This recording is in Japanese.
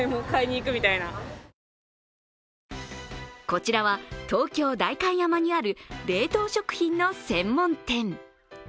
こちらは東京・代官山にある冷凍食品の専門店。